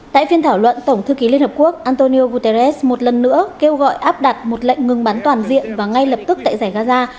tại phiên thảo luận tổng thư ký liên hợp quốc antonio guterres một lần nữa kêu gọi áp đặt một lệnh ngừng bắn toàn diện và ngay lập tức tại giải gaza